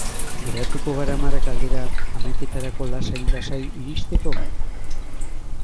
Geratuko gara hamarrak aldera, hamaiketarako lasai-lasai iristeko?